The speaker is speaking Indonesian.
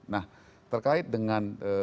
nah terkait dengan